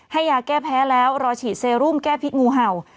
ให้ยาแก้แพ้แล้วรอฉีดเซรุมแก้พิษงูเห่า